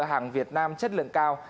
hàng việt nam chất lượng cao